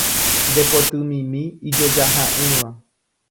Nde potymimi ijojaha'ỹva